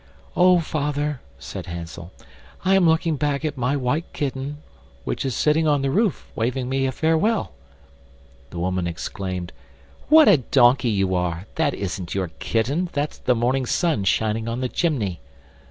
"Oh! father," said Hansel, "I am looking back at my white kitten, which is sitting on the roof, waving me a farewell." The woman exclaimed: "What a donkey you are! that isn't your kitten, that's the morning sun shining on the chimney."